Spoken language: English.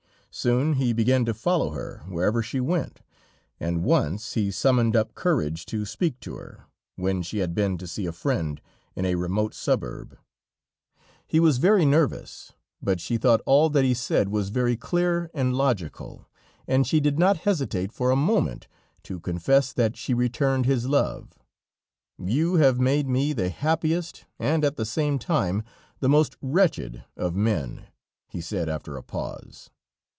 Soon, he began to follow her wherever she went, and once he summoned up courage to speak to her, when she had been to see a friend in a remote suburb. He was very nervous, but she thought all that he said very clear and logical, and she did not hesitate for a moment to confess that she returned his love. "You have made me the happiest, and at the same time the most wretched of men," he said after a pause.